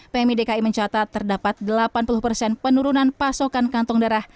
pmi dki mencatat terdapat delapan puluh persen penurunan pasokan kantong darah